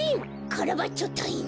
カラバッチョたいいん。